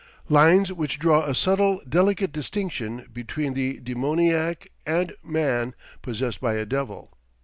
Lines which draw a subtle delicate distinction between the demoniac and man possessed by a devil.